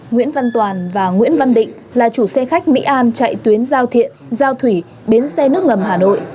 nguyễn văn toàn và nguyễn văn định là chủ xe khách mỹ an chạy tuyến giao thiện giao thủy bến xe nước ngầm hà nội